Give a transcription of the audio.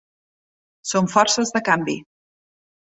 Són forces de canvi.